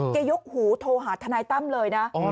ยกหูโทรหาทนายตั้มเลยนะ